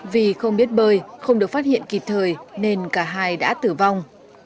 vì không biết bơi không được phát hiện kịp thời nên cả hai đã tử vong